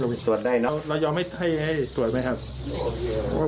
เรายอมให้ตรวจไหมครับ